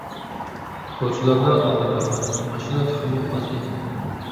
كوچىلاردا ئادەملەر ئاز، ماشىنا تېخىمۇ ئاز ئىدى.